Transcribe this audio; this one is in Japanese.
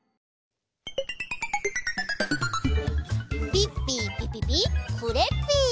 ピッピーピピピクレッピー！